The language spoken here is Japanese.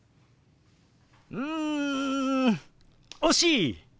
うん惜しい！